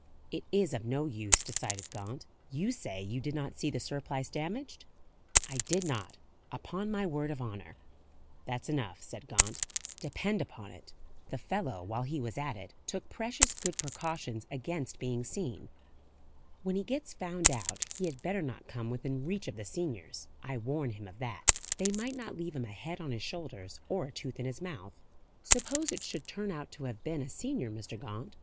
"It is of no use," decided Gaunt. "You say you did not see the surplice damaged?" "I did not; upon my word of honour." "That's enough," said Gaunt. "Depend upon it, the fellow, while he was at it, took precious good precautions against being seen. When he gets found out, he had better not come within reach of the seniors; I warn him of that: they might not leave him a head on his shoulders, or a tooth in his mouth." "Suppose it should turn out to have been a senior, Mr. Gaunt?"